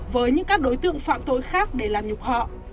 với những các đối tượng phạm tội khác để làm nhục họ